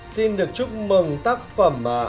xin được chúc mừng tác phẩm